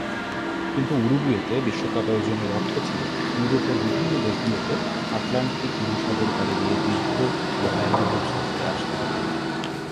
কিন্তু উরুগুয়েতে বিশ্বকাপ আয়োজনের অর্থ ছিল ইউরোপের বিভিন্ন দেশগুলোকে আটলান্টিক মহাসাগর পাড়ি দিয়ে দীর্ঘ ও ব্যয়বহুল সফরে আসতে হবে।